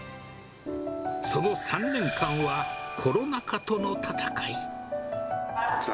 その３年間は、コロナ禍との戦い。